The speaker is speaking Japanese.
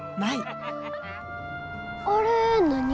あれ何？